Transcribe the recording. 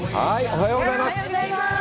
おはようございます。